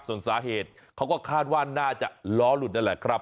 ส่วนสาเหตุเขาก็คาดว่าน่าจะล้อหลุดนั่นแหละครับ